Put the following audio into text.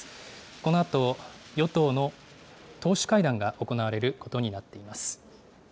このあと、与党の党首会談が行われることになっています。